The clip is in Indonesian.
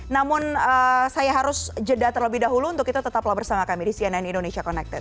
namun saya harus jeda terlebih dahulu untuk itu tetaplah bersama kami di cnn indonesia connected